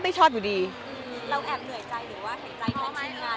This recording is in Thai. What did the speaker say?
เนื้อหาดีกว่าน่ะเนื้อหาดีกว่าน่ะ